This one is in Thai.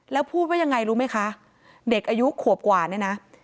แล้วพูดว่ายังไงรู้ไหมคะเด็กอายุขวบกว่าเนี่ยนะ